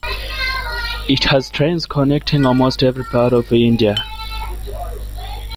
It has trains connecting almost every part of India.